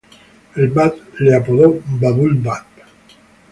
El Báb le apodó "Bábu'l-Báb".